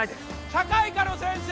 社会科の先生